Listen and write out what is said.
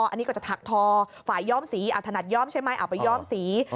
อันนี้ก็จะถักทอฝ่ายย้อมสีถนัดย้อมใช่ไหมเอาไปย้อมสี